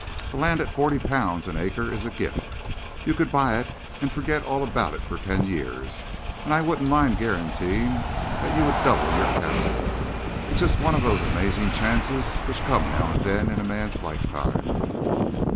That land at forty pounds an acre is a gift. You could buy it and forget all about it for ten years, and I wouldn't mind guaranteeing that you doubled your capital. It's just one of those amazing chances which come now and then in a man's lifetime.